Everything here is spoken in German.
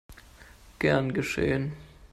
Gern geschehen!